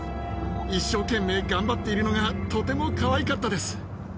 一生懸命頑張っているのがとてもかわいかったです。